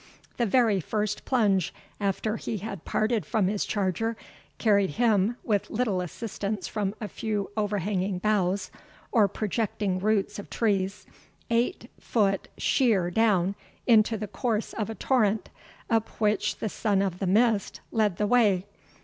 The very first plunge after he had parted from his charger, carried him, with little assistance from a few overhanging boughs, or projecting roots of trees, eight foot sheer down into the course of a torrent, up which the Son of the Mist led the way.